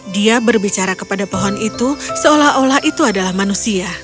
dia berbicara kepada pohon itu seolah olah itu adalah manusia